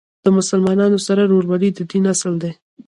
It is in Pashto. د مسلمانانو سره ورورولۍ د دین اصل دی.